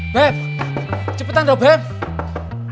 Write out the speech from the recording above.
beb cepetan dong bebe